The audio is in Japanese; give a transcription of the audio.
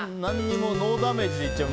ノーダメージで行っちゃった。